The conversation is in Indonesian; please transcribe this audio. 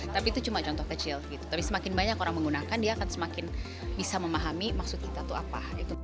tapi itu cuma contoh kecil gitu tapi semakin banyak orang menggunakan dia akan semakin bisa memahami maksud kita itu apa